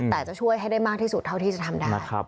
แต่จะช่วยให้ได้มากที่สุดเท่าที่จะทำได้